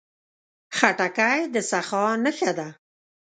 خټکی د سخا نښه ده.